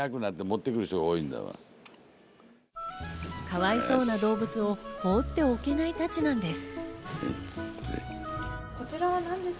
かわいそうな動物を放っておけないたちなんです。